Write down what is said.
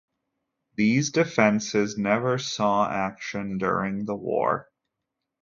These defences never saw action during the war.